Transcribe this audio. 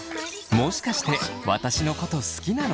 「もしかして私のこと好きなの？」。